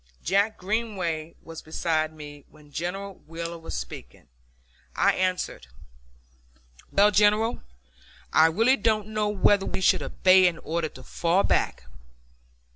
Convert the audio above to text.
Jack Greenway was beside me when General Wheeler was speaking. I answered, "Well, General, I really don't know whether we would obey an order to fall back.